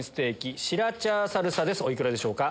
お幾らでしょうか？